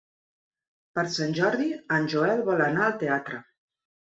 Per Sant Jordi en Joel vol anar al teatre.